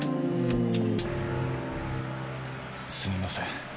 すみません